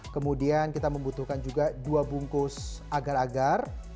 kemudian kita membutuhkan juga dua bungkus agar agar